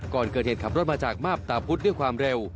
ก่อนเกิดเหตุขับรถมาจากมาบตาพุธด้วยความเร็ว